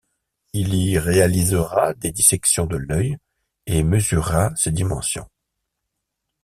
Il y réalisera des dissections de l'œil et mesura ses dimensions.